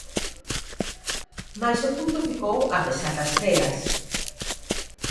Mais o punto ficou a pesar das fregas.